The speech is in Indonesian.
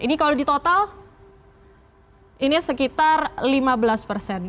ini kalau ditotal ini sekitar lima belas persen